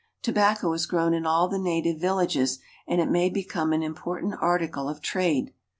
Tobacco is grown in all the native villages, and it may become an important article of trade.